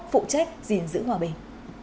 phụ trách gìn giữ hòa bình